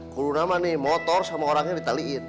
guru nama nih motor sama orangnya ditaliin